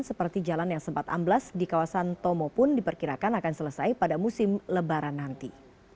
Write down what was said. seperti jalan yang sempat amblas di kawasan tomo pun diperkirakan akan selesai pada musim lebaran nanti